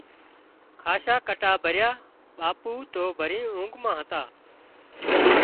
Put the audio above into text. کاشا ڪٽا ڀريا ٻاپو تو ڀري اونگھ مان هتا